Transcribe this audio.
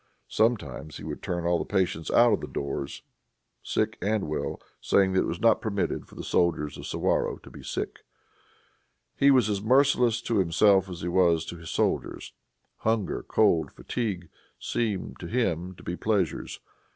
Sometimes he would turn all the patients out of the doors, sick and well, saying that it was not permitted for the soldiers of Suwarrow to be sick. He was as merciless to himself as he was to his soldiers. Hunger, cold, fatigue, seemed to him to be pleasures.